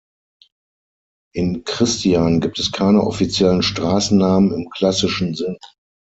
In Cristian gibt es keine offiziellen Straßennamen im klassischen Sinn.